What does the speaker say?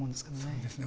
そうですね。